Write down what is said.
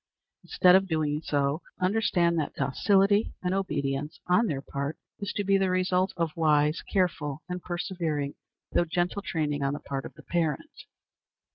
Instead of so doing, understand that docility and obedience on their part is to be the result of wise, careful, and persevering, though gentle training on the part of the parent.